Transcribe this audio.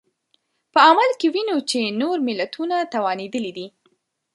په عمل کې وینو چې نور ملتونه توانېدلي دي.